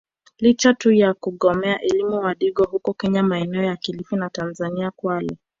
Licha tu ya kugomea elimu wadigo huko kenya maeneo ya kilifi na Tanzania Kwale